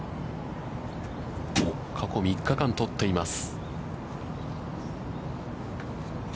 過去３日間取っています。